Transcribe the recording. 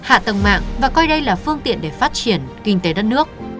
hạ tầng mạng và coi đây là phương tiện để phát triển kinh tế đất nước